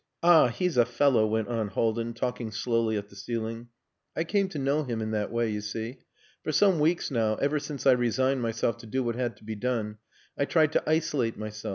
"Ah! he's a fellow," went on Haldin, talking slowly at the ceiling. "I came to know him in that way, you see. For some weeks now, ever since I resigned myself to do what had to be done, I tried to isolate myself.